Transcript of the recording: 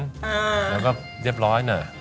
แล้วก็เรียบร้อยนะ